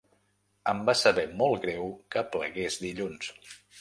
Em va saber molt greu que plegués dilluns.